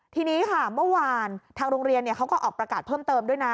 ทีนี้ค่ะเมื่อวานทางโรงเรียนเขาก็ออกประกาศเพิ่มเติมด้วยนะ